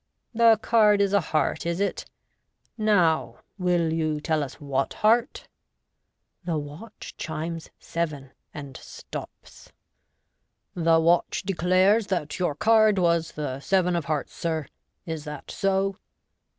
"The card is a heart, is it? Now, will you tell us what heart ?" The watch chimes seven, and stops. a The watch declares that your card was the seven of hearts, sir. Is that so